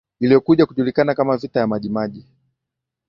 iliyokuja kujulikana kama Vita ya Majimaji